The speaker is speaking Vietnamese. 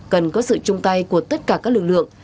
cần có sự chung tay của tất cả các lực lượng